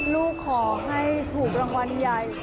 ลูกขอให้ถูกรางวัลใหญ่